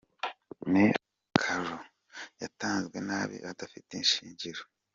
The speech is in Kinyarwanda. Ni amakuru yatanzwe nabi adafite ishingiro.